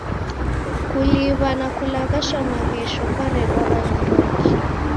Kuliw'a na kulaghasha maghesho kwaredwagha ni ndoki?